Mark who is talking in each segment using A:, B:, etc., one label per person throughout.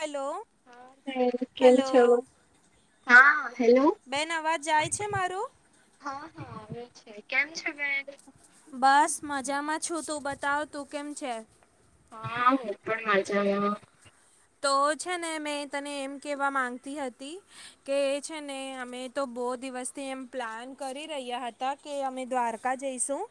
A: Hello
B: હા મે કેમ
A: હેલો
B: છો? હા હેલો
A: બેન અવાજ જાય છે મારો?
B: હા હા એજ. કેમ છે બેન?
A: બસ મજામાં છું. તું બતાવ તું કેમ છે?
B: હા હું પણ મજામાં.
A: તો છે ને મેં તને એમ કેવા માંગતી હતી કે છે ને અમે તો બો બો દિવસથી એમ પ્લાન કરી રહ્યા હતા કે અમે દ્વારકા જઈશું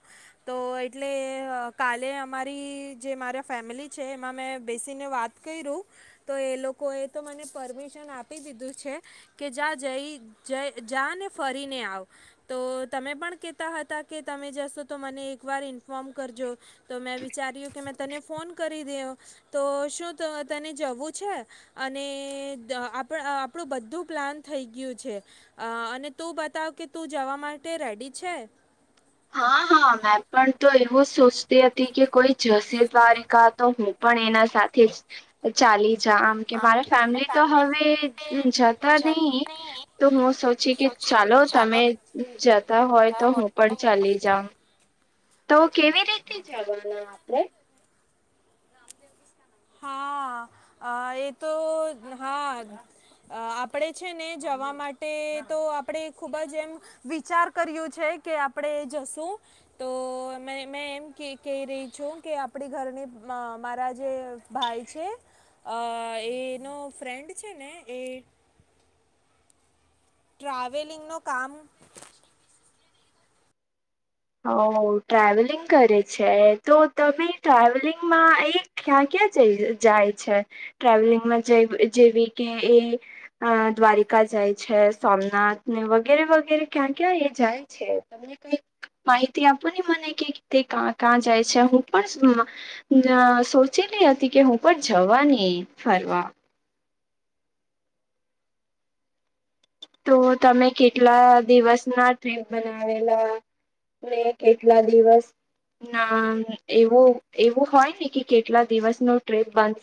A: તો એટલે કે કાલે અમારી જે મારા ફેમિલી છે એમાં મેં બેસીને વાત કર્યું તો એ લોકોએ તો મને પરમિશન આપી દીધું છે કે જા જઈ જ જા ને ફરીને આવ તો તમે પણ કેતા હતા કે તમે જશો તો મને એક વાર ઇ ફોમ કરજો તો મેં વિચાર્યું કે મેં તને ફોન કરી દેવ તો શું તને જવું છે અને આપ આપણું બધું પ્લાન થઈ ગયું છે. અ અને તું બતાવ કે તું જવા માટે રેડી છે?
B: હા હા મેં પણ તો એવું જ સોચતી હતી કે કોઈ જસી દ્વારિકા તો હું પણ એના સાથે જ ચાલી આમ કે મારા ફેમિલી તો હવે જતા નહી તો હું સોચી કે ચાલો તમે જતા હોય તો હું પણ ચાલ લી જાઉં તો કેવી રીતે જવાના આપણેે?
A: હા અ એ તો હા. અ આપડે છે ને જવા માટે તો આપડે ખુબ જ એમ વિચાર કર્યું છે કે આપણે જશું તો મે મે એમ કહી રહી છું કે આપડી ઘરની મ મારા જે ભાઈ છે અ એનો ફ્રેન્ડ છે ને એ ટ્રાવેલિંગ નું કામ
B: [unintelligible] ટ્રાવેલિંગ કરે છે તો તમે ટ્રાવેલિંગમાં એક ક્યા ક જઈ જાય છે ટ્રાવલિંગમાં જે જેવી કે એ અ દ્વારિકા જાય છે, સોમનાથ ને વગેરે વગેરે ક્યાં ક્યાં એ જાય છે તમને કઈક માહિતી આપું ને મને કે તે કાં જાય છે હું પણ અ સોચે હતી કે હું પણ જવાની ફરવા તો તમે કેટલા દિવસ ના ટ્રેન બનાવેલા? અને કેટલા દિવસ ના એવું એવું હોય ને કે કેટલા દિવસ નો ટ્રીપ બન